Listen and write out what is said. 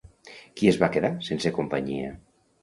Qui es va quedar sense companyia?